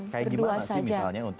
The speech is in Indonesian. kayak gimana sih misalnya